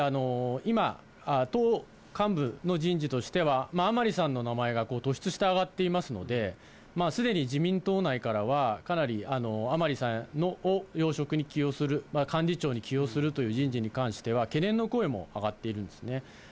今、党幹部の人事としては、甘利さんの名前が突出して挙がっていますので、すでに自民党内からは、かなり甘利さんを要職に起用する、幹事長に起用するという人事に関しては、懸念の声も上がっているんですね。